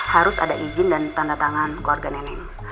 harus ada izin dan tanda tangan keluarga nenek